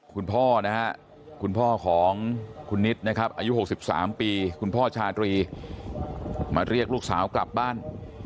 คุณพ่อนะครับคุณพ่อของคุณนิดนะครับอายุ๖๓ปีคุณพ่อชาตรีมาเรียกลูกสาวกลับบ้าน